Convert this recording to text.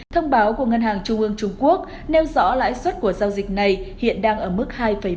thông báo của ngân hàng trung ương trung quốc nêu rõ lãi suất của giao dịch này hiện đang ở mức hai bảy